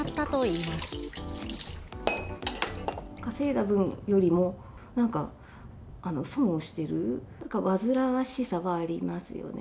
いま稼いだ分よりも、なんか損をしてる、煩わしさはありますよね。